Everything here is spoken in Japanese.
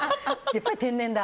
やっぱり天然だ。